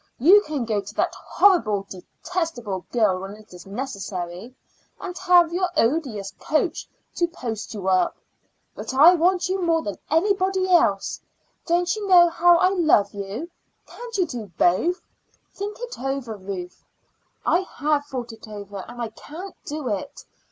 You can go to that horrible, detestable girl when it is necessary, and have your odious coach to post you up. But I want you more than anybody else. Don't you know how I love you? Can't you do both? Think it over, Ruth." "I have thought it over, and I can't do it.